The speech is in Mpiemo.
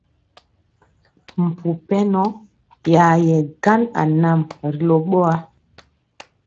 Mpu pɛnɔ ya yɛ gan anam ri lo ɓowa.